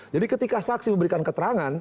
jadi ketika saksi memberikan keterangan